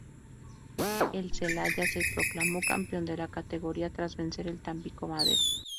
El Celaya se proclamó campeón de la categoría tras vencer al Tampico Madero.